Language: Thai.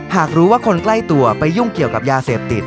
หากรู้ว่าคนใกล้ตัวไปยุ่งเกี่ยวกับยาเสพติด